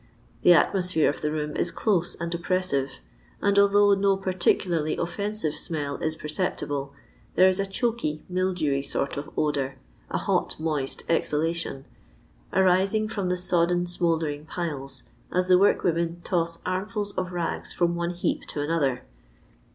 The atmosphere of the room is close and oppressive ; and although no particularly offensive smell is perceptible, there is a choky, mildewy sort of odour — a hot, moist exhalation — arising from the sodden smouldering piles, as the work women toss armfuls of rags from one heap to another.